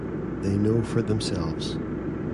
They know for themselves.